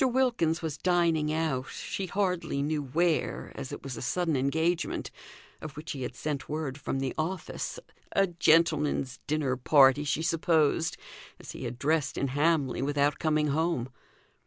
Wilkins was dining out, she hardly knew where, as it was a sudden engagement, of which he had sent word from the office a gentleman's dinner party, she supposed, as he had dressed in Hamley without coming home.